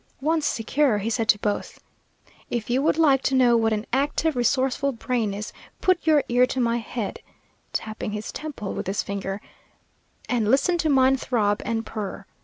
Once secure, he said to both: "If you would like to know what an active, resourceful brain is, put your ear to my head," tapping his temple with his finger, "and listen to mine throb and purr.